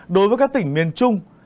đối với các tỉnh miền trung